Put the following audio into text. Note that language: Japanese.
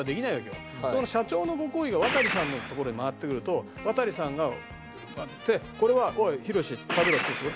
だから社長のご厚意が渡さんのところへ回ってくると渡さんがもらって「これはおいひろし食べろ」って言うんですよ。